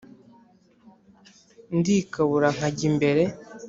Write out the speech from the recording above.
Ndikabura nkajya imbere,